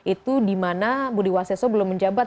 itu dimana budi waseso belum menjabat